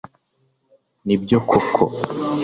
Nibyo koko